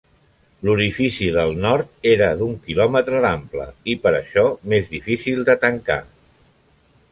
L'orifici del nord era d'un quilòmetre d'ample i per això més difícil de tancar.